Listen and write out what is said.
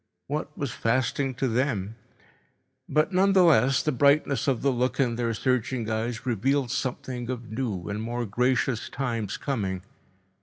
What was fasting to them? But nonetheless the brightness of the look in their searching eyes revealed something of new and more gracious times coming.